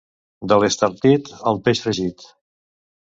De l'Estartit, el peix fregit.